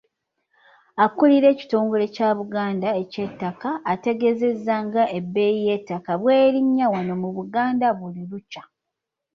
Akulira ekitongole Kya Buganda eky'ettakka, ategeezezza ng'ebbeeyi y'ettaka erinnya wano mu Buganda buli lukya